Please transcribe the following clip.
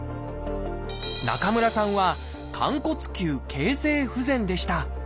中村さんは「寛骨臼形成不全」でした。